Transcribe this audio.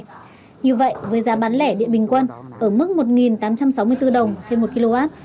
như vậy với giá bán lẻ điện bình quân ở mức một tám trăm sáu mươi bốn đồng trên một kw